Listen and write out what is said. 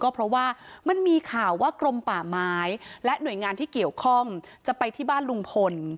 เพราะว่ามันมีข่าวว่ากรมป่าไม้และหน่วยงานที่เกี่ยวข้องจะไปที่บ้านลุงพล